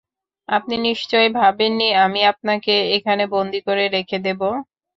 আপনি নিশ্চয়ই ভাবেননি আমি আপনাকে এখানে বন্দী করে রেখে দেব!